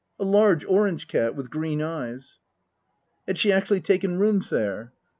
A large orange cat with green eyes. Had she actually taken rooms there ?